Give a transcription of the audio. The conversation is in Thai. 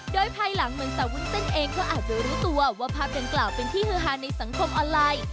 โดยภายหลังเหมือนสาววุ้นเส้นเองก็อาจจะรู้ตัวว่าภาพดังกล่าวเป็นที่ฮือฮาในสังคมออนไลน์